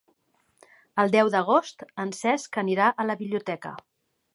El deu d'agost en Cesc anirà a la biblioteca.